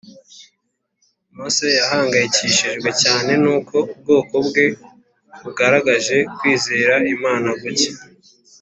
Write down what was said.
mose yahangayikishijwe cyane n’uko ubwoko bwe bugaragaje kwizera imana guke